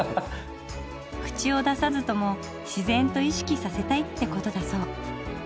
口を出さずとも自然と意識させたいってことだそう。